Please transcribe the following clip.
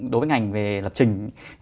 đối với ngành về lập trình